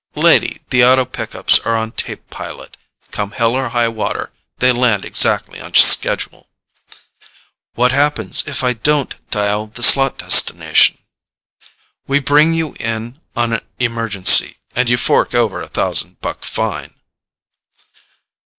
"Lady, the auto pickups are on tape pilot. Come hell or high water, they land exactly on schedule." "What happens if I don't dial the slot destination?" "We bring you in on emergency and you fork over a thousand buck fine."